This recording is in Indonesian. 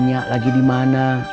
tanya lagi dimana